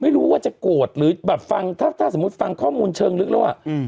ไม่รู้ว่าจะโกรธหรือแบบฟังถ้าสมมุติฟังข้อมูลเชิงลึกแล้วอ่ะ